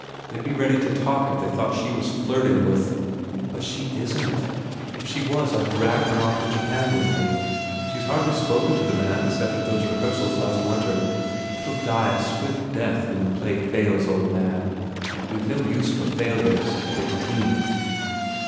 They d be ready to talk if they thought she was flirting with " "But she isn t! If she was I d drag her off to Japan with me. She s hardly spoken to the man except at those rehearsals last winter. It ll die a swift death when the play fails, old man. We ve no use for failures at eighteen."